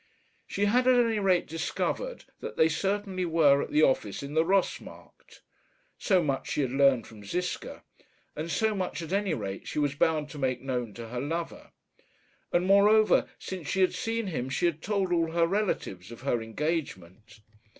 She had at any rate discovered that they certainly were at the office in the Ross Markt. So much she had learned from Ziska; and so much, at any rate, she was bound to make known to her lover. And, moreover, since she had seen him she had told all her relatives of her engagement.